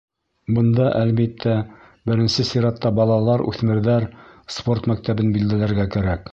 Бында, әлбиттә, беренсе сиратта балалар-үҫмерҙәр спорт мәктәбен билдәләргә кәрәк.